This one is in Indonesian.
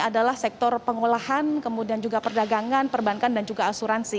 adalah sektor pengolahan kemudian juga perdagangan perbankan dan juga asuransi